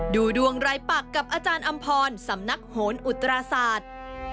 ดูดวงรายปักกับอาจารย์อำพรสำนักโหนอุตราศาสตร์